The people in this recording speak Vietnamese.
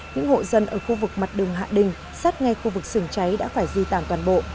những hộ dân ở khu vực mặt đường hạ đình sát ngay khu vực sừng cháy đã phải di tản toàn bộ